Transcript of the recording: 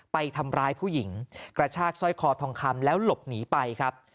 ไปทำร้ายผู้หญิงกระชากสร้อยคอทองคำแล้วหลบหนีไปครับ